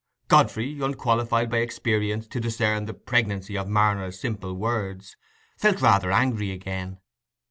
Godfrey, unqualified by experience to discern the pregnancy of Marner's simple words, felt rather angry again.